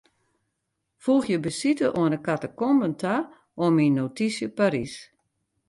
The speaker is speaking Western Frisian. Foegje besite oan 'e katakomben ta oan myn notysje Parys.